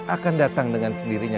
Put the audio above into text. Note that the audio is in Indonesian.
akan datang dengan sendirinya